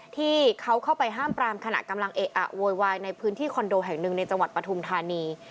ที่เขาเข้าไปห้ามปรามขณะกำลังเอะอะโวยวายในพื้นที่คอนโดแห่งหนึ่งในจังหวัดปฐุมธานี